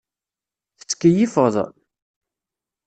Tettkeyyifeḍ?